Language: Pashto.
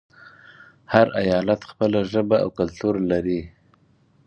هر ایالت خپله ژبه او کلتور لري.